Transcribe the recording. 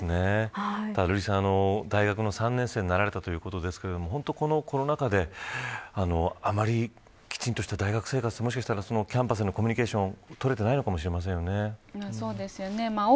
瑠麗さん、大学の３年生になられたということでコロナ禍であんまりきちんとした大学生活をキャンパスでのコミュニケーションも取れていないかもしれませんね。